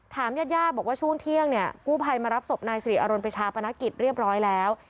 ญาติญาติบอกว่าช่วงเที่ยงเนี่ยกู้ภัยมารับศพนายสิริอรนไปชาปนกิจเรียบร้อยแล้ว